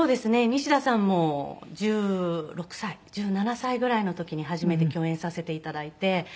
西田さんも１６歳１７歳ぐらいの時に初めて共演させて頂いて。